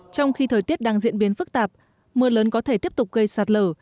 trong khi thời tiết đang diễn biến phức tạp mưa lớn có thể tiếp tục gây sạt lở